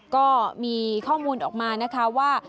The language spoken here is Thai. ก็มีข้อมูลออกมานะคะว่า